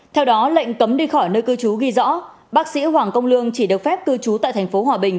theo đó lệnh cấm đi khỏi nơi cư trú ghi rõ bác sĩ hoàng công lương chỉ được phép cư trú tại thành phố hòa bình